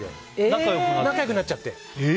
仲良くなっちゃって。